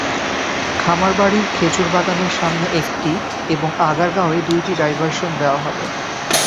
খামারবাড়ির খেজুর বাগানের সামনে একটি এবং আগারগাঁওয়ে দুটি ডাইভারশন দেওয়া হবে।